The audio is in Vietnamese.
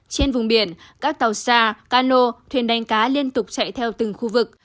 trên vùng biển các tàu xa cano thuyền đánh cá liên tục chạy theo từng khu vực